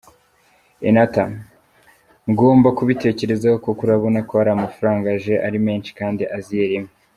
Enatha: “Ngomba kubitekerezaho kuko urabona ko ari amafaranga aje ari menshi kandi aziye rimwe.